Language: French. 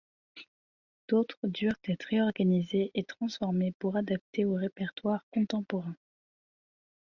D'autres durent être réorganisés et transformés pour adapter au répertoire contemporain.